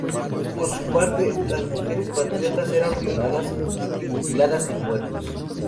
Por su parte, las mujeres patriotas eran violadas y mutiladas en huertos.